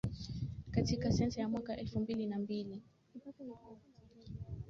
katika sensa ya mwaka elfu mbili na mbili